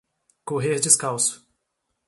Correr descalço